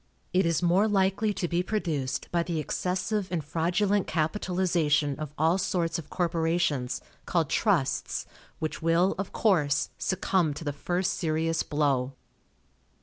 It is more likely to be produced by the excessive and fraudulent capitalization of all sorts of corporations, called trusts, which will, of course, succumb to the first serious blow.